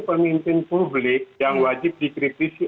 pemimpin publik yang wajib dikritisi